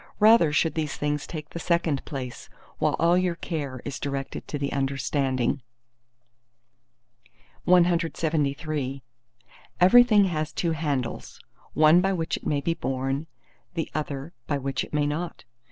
Rather should these things take the second place, while all your care is directed to the understanding. CLXXIV Everything has two handles, one by which it may be borne, the other by which it may not.